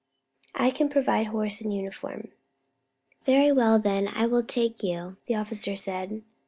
"I can provide horse and uniform." "Very well, then, I will take you," the officer said.